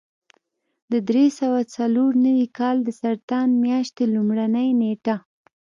د درې سوه څلور نوي کال د سرطان میاشتې لومړۍ نېټه.